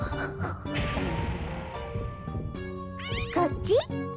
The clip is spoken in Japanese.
う。こっち？